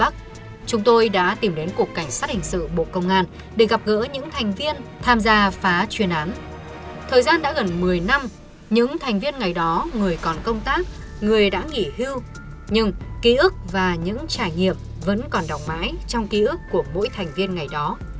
thời gian đã gần một mươi năm những thành viên ngày đó người còn công tác người đã nghỉ hưu nhưng ký ức và những trải nghiệm vẫn còn đọc mãi trong ký ức của mỗi thành viên ngày đó